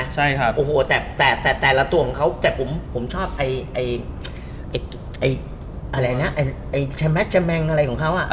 แชมแมงแชมแมงอะไรของเขาอ่ะ